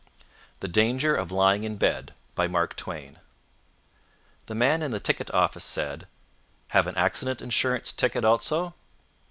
THE DANGER OF LYING IN BED The man in the ticket office said: "Have an accident insurance ticket, also?"